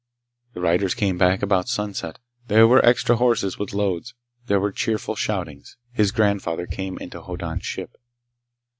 The riders came back about sunset. There were extra horses, with loads. There were cheerful shoutings. His grandfather came into Hoddan's ship.